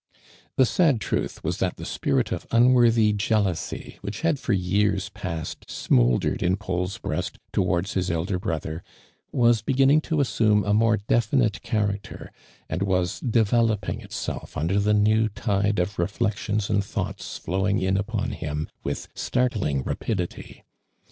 The sad truth was that the spirit of un worthy jealousy, which had for years past smouldered in Paul's breast towards hj* elder brother, was beginning to assume a more definite character, and was develop ing itself under the new tide of reflections and thoughts flowing in upon him, witli startling rapidity.